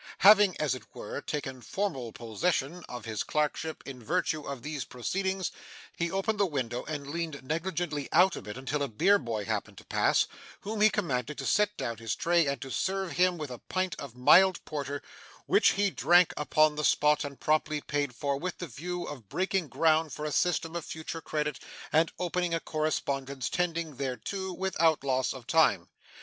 Having, as it were, taken formal possession of his clerkship in virtue of these proceedings, he opened the window and leaned negligently out of it until a beer boy happened to pass, whom he commanded to set down his tray and to serve him with a pint of mild porter, which he drank upon the spot and promptly paid for, with the view of breaking ground for a system of future credit and opening a correspondence tending thereto, without loss of time.